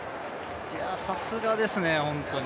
さすがですね、本当に。